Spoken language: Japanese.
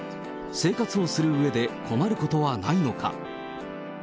生活をするうえで困ることはないのか。